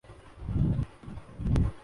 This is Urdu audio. ہانگ کانگ نے بھارت کے خلاف تاریخ رقم کردی